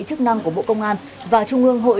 chức năng của bộ công an và trung ương hội